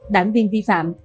đảng viên vi phạm